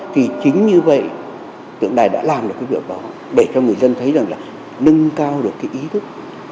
thì chính như vậy tượng đài đã làm được cái việc đó để cho người dân thấy rằng là nâng cao được cái ý thức